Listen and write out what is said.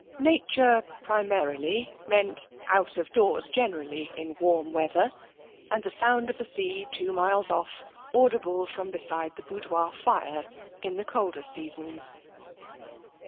Nature, primarily, meant out of doors generally, in warm weather, and the sound of the sea two miles off, audible from beside the boudoir fire, in the colder seasons.